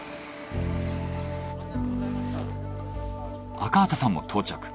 赤畑さんも到着。